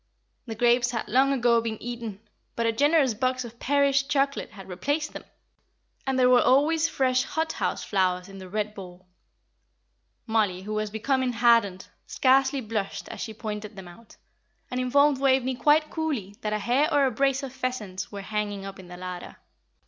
The grapes had long ago been eaten, but a generous box of Paris chocolate had replaced them, and there were always fresh hot house flowers in the red bowl. Mollie, who was becoming hardened, scarcely blushed as she pointed them out, and informed Waveney quite coolly that a hare or a brace of pheasants were hanging up in the larder.